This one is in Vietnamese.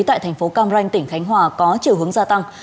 tại thành phố cam ranh tỉnh khánh hòa có chiều hướng gia tăng